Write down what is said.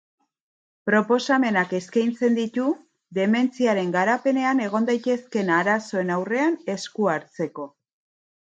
Proposamenak eskaintzen ditu dementziaren garapenean egon daitezkeen arazoen aurrean esku hartzeko.